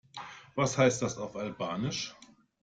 Was heißt das auf Albanisch?